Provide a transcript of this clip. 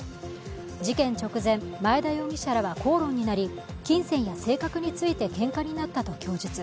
事件直前、前田容疑者らは口論になり金銭や性格についてけんかになったと供述。